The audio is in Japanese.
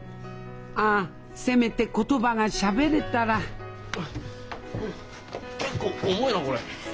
ああせめて言葉がしゃべれたら結構重いなこれ。